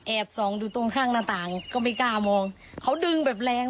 แอบ๒ดูตรงข้างหน้าต่าง